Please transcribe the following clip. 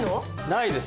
ないです。